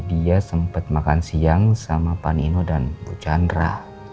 dia sempet makan siang sama panino dan bu chandra